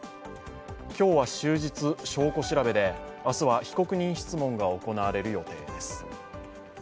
今日は終日、証拠調べで、明日は被告人質問が行われる予定です。